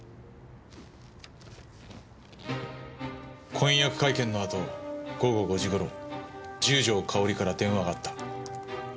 婚約会見のあと午後５時頃十条かおりから電話があった。